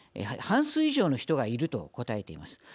半数以上の人が「いる」と答えています。